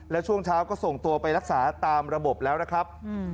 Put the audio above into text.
แล้วช่วงเช้าก็ส่งตัวไปรักษาตามระบบแล้วนะครับ